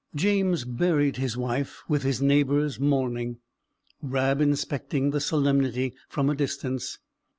James buried his wife, with his neighbours mourning, Rab inspecting the solemnity from a distance.